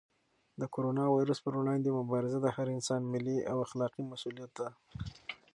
د کرونا وېروس پر وړاندې مبارزه د هر انسان ملي او اخلاقي مسؤلیت دی.